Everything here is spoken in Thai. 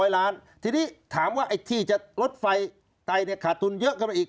๒๕๐๐ล้านทีนี้ถามว่าไหนที่จะรถไฟไทยเนี่ยขาดทุนเยอะกันไม่อีก